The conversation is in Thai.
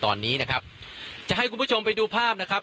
ตอนนี้ผมอยู่ในพื้นที่อำเภอโขงเจียมจังหวัดอุบลราชธานีนะครับ